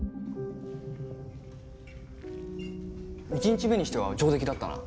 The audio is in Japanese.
１日目にしては上出来だったな。